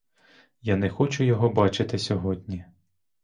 Я не хочу його бачити сьогодні.